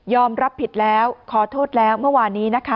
รับผิดแล้วขอโทษแล้วเมื่อวานนี้นะคะ